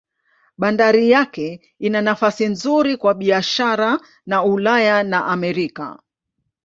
Bandari yake ina nafasi nzuri kwa biashara na Ulaya na Amerika.